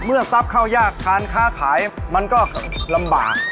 เมื่อทรัพย์เข้ายากค้านค้าขายมันก็ลำบาก